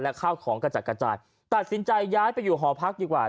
ข้าวของกระจัดกระจายตัดสินใจย้ายไปอยู่หอพักดีกว่า